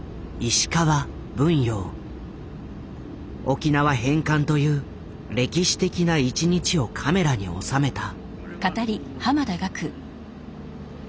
沖縄返還という歴史的な１日をカメラに収めた。